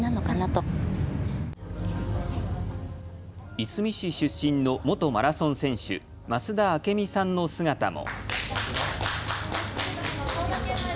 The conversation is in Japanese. いすみ市出身の元マラソン選手、増田明美さんの姿も。